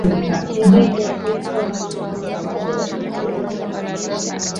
sheria ya kimataifa ya uhalifu wa mauaji ya kimbari ilianza kutekelezwa